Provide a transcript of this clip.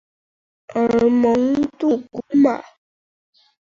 而蒙杜古马。